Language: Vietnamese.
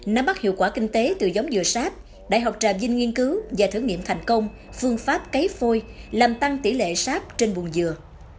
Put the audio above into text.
nắm bắt hiệu quả kinh tế từ giống dừa sáp đại học trà vinh nghiên cứu và thử nghiệm thành công phương pháp cấy phôi làm tăng tỷ lệ sáp trên buồn dừa